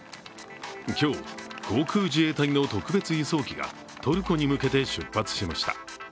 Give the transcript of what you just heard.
今日、航空自衛隊の特別輸送機がトルコに向けて出発しました。